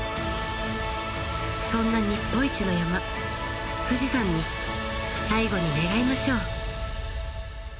そんな日本一の山富士山に最後に願いましょう。